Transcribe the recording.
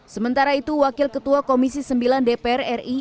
sementara itu wakil ketua komisi sembilan dpr ri